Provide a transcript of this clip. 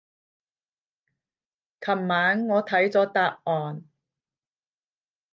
琴晚我睇咗答案